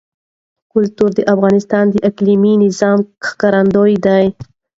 کلتور د افغانستان د اقلیمي نظام ښکارندوی ده.